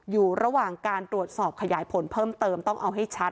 อยู่ระหว่างการตรวจสอบขยายผลเพิ่มเติมต้องเอาให้ชัด